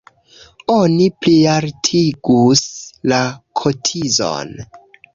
Oni plialtigus la kotizon.